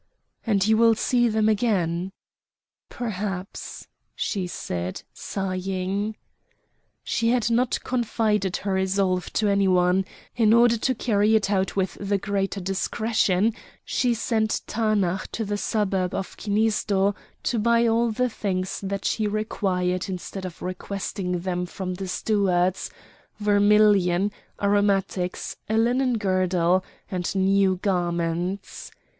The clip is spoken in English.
"And you will see them again." "Perhaps!" she said, sighing. She had not confided her resolve to any one; in order to carry it out with the greater discretion she sent Taanach to the suburb of Kinisdo to buy all the things that she required instead of requesting them from the stewards: vermilion, aromatics, a linen girdle, and new garments.